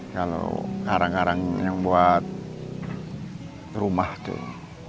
kalau karang karang yang buat rumah tuh